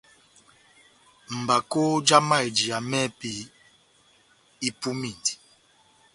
Mbakó já mayɛjiya mɛ́hɛ́pi ipumindi.